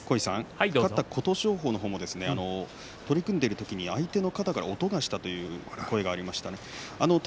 勝った琴勝峰の方も取り組んでいる時に相手の肩から音がしたという声がありました。